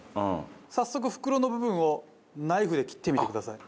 早速袋の部分をナイフで切ってみてください。